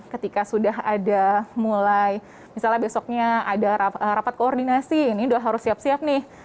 ketika sudah ada mulai misalnya besoknya ada rapat koordinasi ini sudah harus siap siap nih